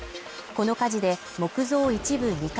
この火事で木造一部２階